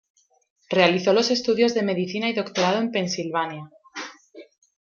Realizó los estudios de Medicina y doctorado en Pensilvania.